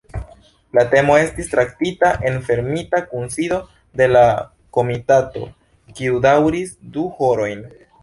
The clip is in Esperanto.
La temo estis traktita en fermita kunsido de la komitato, kiu daŭris du horojn.